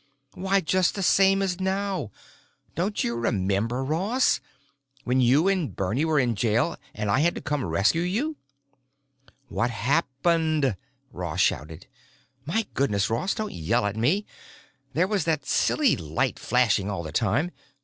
"Why, just the same as now! Don't you remember, Ross? When you and Bernie were in jail and I had to come rescue you?" "What happened?" Ross shouted. "My goodness, Ross don't yell at me! There was that silly light flashing all the time.